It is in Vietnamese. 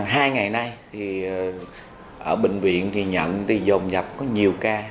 hai ngày nay thì ở bệnh viện thì nhận thì dồn dập có nhiều ca